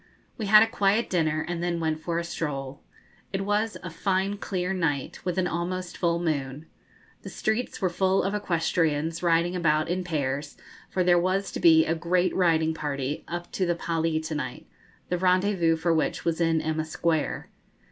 We had a quiet dinner, and then went for a stroll. It was a fine clear night, with an almost full moon. The streets were full of equestrians, riding about in pairs, for there was to be a great riding party up to the Pali to night, the rendezvous for which was in Emma Square.